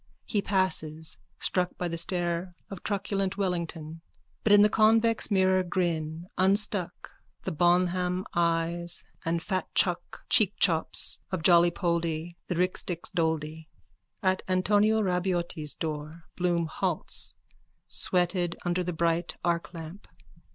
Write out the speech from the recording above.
He passes, struck by the stare of truculent Wellington, but in the convex mirror grin unstruck the bonham eyes and fatchuck cheekchops of Jollypoldy the rixdix doldy._ _At Antonio Rabaiotti's door Bloom halts, sweated under the bright arclamp.